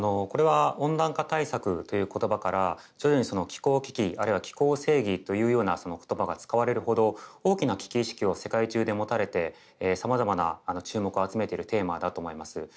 これは「温暖化対策」という言葉から徐々に「気候危機」あるいは「気候正義」というような言葉が使われるほど大きな危機意識を世界中で持たれてさまざまな注目を集めてるテーマだと思います。